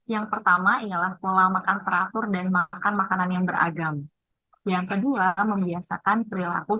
yang pertama ialah pola makan teratur dan makan makanan yang tersebut